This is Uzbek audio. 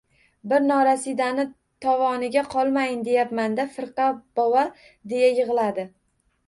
— Bir norasidani tovoniga qolmayin deyapman-da, firqa bova, — deya yig‘ladi.